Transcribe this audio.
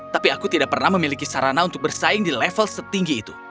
tapi aku tidak pernah memiliki sarana untuk bersaing di level setinggi itu